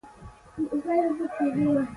امپراطور له پاچا څخه د مرستې غوښتنه وکړه.